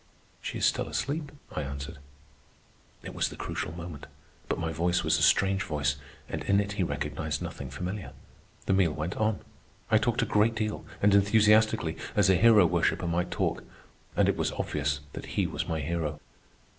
"She is still asleep," I answered. It was the crucial moment. But my voice was a strange voice, and in it he recognized nothing familiar. The meal went on. I talked a great deal, and enthusiastically, as a hero worshipper might talk, and it was obvious that he was my hero.